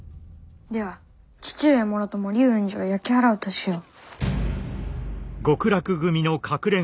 では父上もろとも龍雲寺を焼き払うとしよう」。